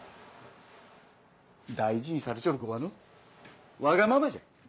大事にされちょる子はのわがままじゃ。